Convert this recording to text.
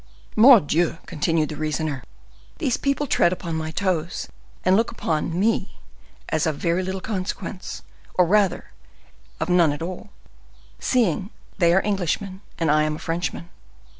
"Mordioux!" continued the reasoner, "these people tread upon my toes and look upon me as of very little consequence, or rather of none at all, seeing that they are Englishmen and I am a Frenchman.